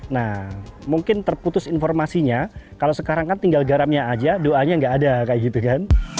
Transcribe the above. nah mungkin terputus informasinya kalau sekarang kan tinggal garamnya saja doanya tidak ada